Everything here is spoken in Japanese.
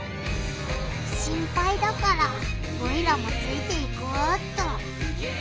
心ぱいだからオイラもついていこうっと。